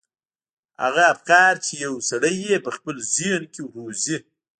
هغه افکار چې يو سړی يې په خپل ذهن کې روزي.